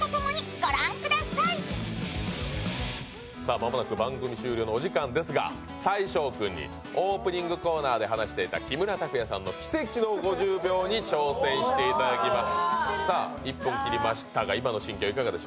間もなく番組終了のお時間ですが大昇君にオープニングコーナーで話していた木村拓哉さんの奇跡の５０秒に挑戦していただきます。